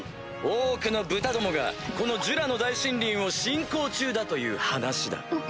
オークの豚どもがこのジュラの大森林を侵攻中だという話だ。